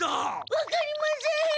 わかりません！